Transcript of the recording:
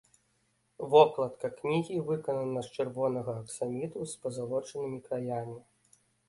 Вокладка кнігі выканана з чырвонага аксаміту з пазалочанымі краямі.